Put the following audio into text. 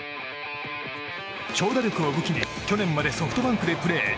長打力を武器に去年までソフトバンクでプレー。